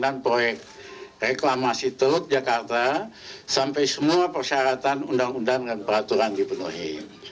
dan proyek reklamasi teruk jakarta sampai semua persyaratan undang undang dan peraturan dipenuhi